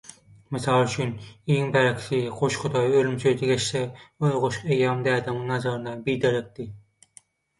Mysal üçin, iň bärkisi goşgyda “ölüm" sözi geçse ol goşgy eýýäm dädemiň nazarynda “biderekdi".